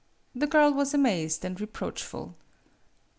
The girl was amazed 'and reproachful.